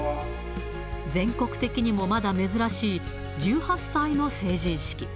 全国的にもまだ珍しい、１８歳の成人式。